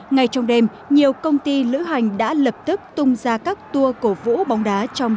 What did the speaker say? ngay trong đêm nhiều công ty lữ hành đã lập tức tung ra các tour cổ vũ bóng đá trong trận chung kết